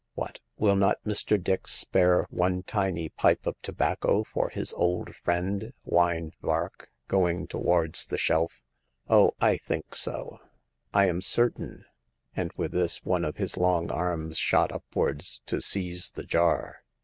What ! will not Mr. Dix spare one tiny pipe of tobacco for his old friend ?" whined Vark, going towards the shelf. " Oh, I think so ; I am certain," and with this one of his long arms shot upwards to seize the jar.